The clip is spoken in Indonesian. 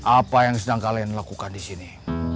apa yang sedang kalian lakukan di sini